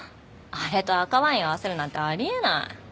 あれと赤ワインを合わせるなんてあり得ない。